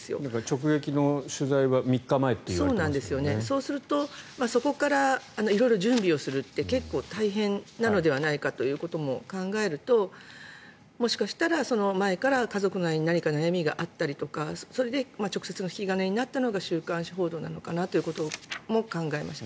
直撃の取材はそうするとそこから色々準備するって大変なのではないかと考えるともしかしたら、前から家族の間に何か悩みがあったりとかそれで直接の火種になったのが週刊誌報道なのかなということも考えました。